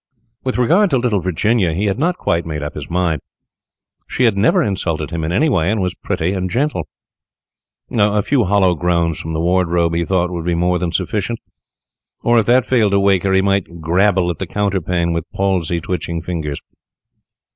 With regard to little Virginia, he had not quite made up his mind. She had never insulted him in any way, and was pretty and gentle. A few hollow groans from the wardrobe, he thought, would be more than sufficient, or, if that failed to wake her, he might grabble at the counterpane with palsy twitching fingers.